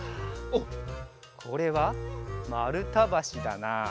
おっこれはまるたばしだな。